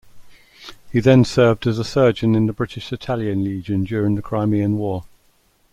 He then served as a surgeon in the British-Italian Legion during the Crimean War.